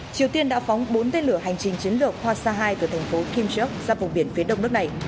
triều tiên đã phóng bốn tên lửa hành trình chiến lược hwasa hai từ thành phố kimcheok ra vùng biển phía đông nước này